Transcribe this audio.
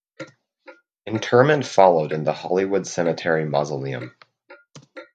Interment followed in the Hollywood Cemetery mausoleum.